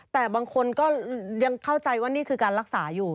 แต่บางคนก็ยังเข้าใจว่านี่คือการรักษาอยู่